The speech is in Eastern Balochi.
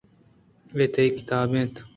اے تئی کتاب اِنت